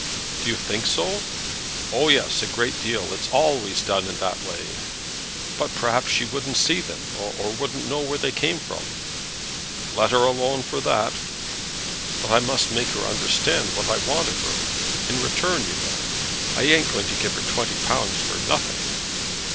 "Do you think so?" "Oh, yes; a great deal. It's always done in that way." "But perhaps she wouldn't see them, or wouldn't know where they came from." "Let her alone for that." "But I must make her understand what I want of her, in return, you know. I ain't going to give her twenty pounds for nothing."